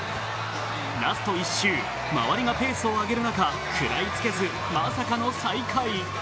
ラスト１周、周りがペースを上げる中、食らいつけずまさかの最下位。